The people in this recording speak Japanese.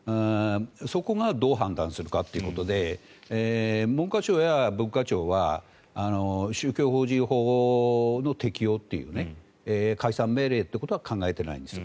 そこがどう判断するかということで文科省や文化庁は宗教法人法の適用という解散命令ということは考えていないんです。